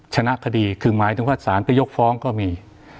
ชนะคดีคือหมายธุรกษาประยกฟ้องก็มี